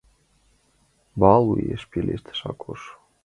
— Бал, — уэш пелештыш Акош.